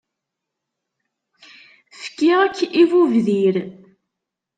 fkiɣ-k i bubdir.